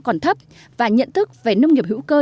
còn thấp và nhận thức về nông nghiệp hữu cơ